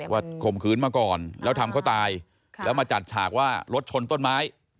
ข่มขืนมาก่อนแล้วทำเขาตายแล้วมาจัดฉากว่ารถชนต้นไม้